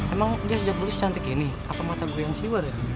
emang dia sejak dulu secantik gini apa mata gue yang siwar ya